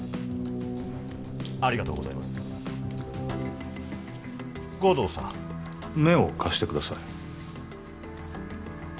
ありがとうございます護道さん目を貸してください